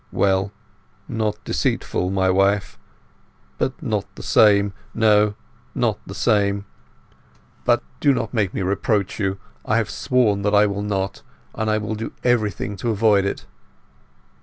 "H'm—well. Not deceitful, my wife; but not the same. No, not the same. But do not make me reproach you. I have sworn that I will not; and I will do everything to avoid it."